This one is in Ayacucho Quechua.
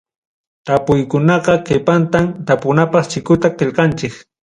Tapukuykunapa qipantam tapunapaq chikuta qillqanchik.